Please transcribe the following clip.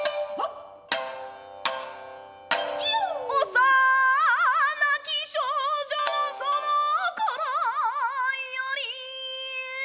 「幼き少女のその頃より」